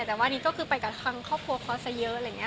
แต่ว่านี่ก็ไปกับทั้งครอบครัวเขาซะเยอะ